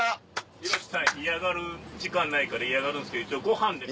博さん嫌がる時間ないから嫌がるんですけど一応ご飯で。